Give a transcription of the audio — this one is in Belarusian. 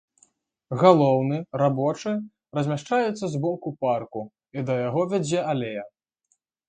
Галоўны, рабочы, размяшчаецца з боку парку, і да яго вядзе алея.